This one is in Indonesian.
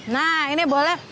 nah ini boleh